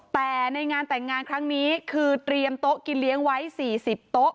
แต่ในงานแต่งงานครั้งนี้คือเตรียมโต๊ะกินเลี้ยงไว้๔๐โต๊ะ